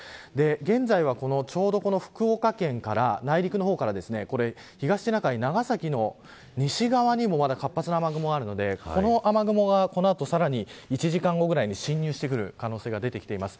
現在はちょうどこの福岡県から内陸の方から東シナ海長崎の西側にもまだ活発な雨雲があるのでこの雨雲が、この後さらに１時間後ぐらいに進入してくる可能性が出てきています。